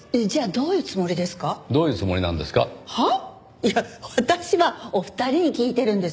いや私はお二人に聞いてるんです。